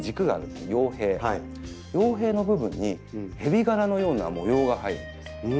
葉柄の部分に蛇柄のような模様が入るんです。